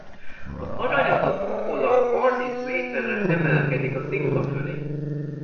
Az aranyozott kupola harminc méterrel emelkedik a Szikla fölé.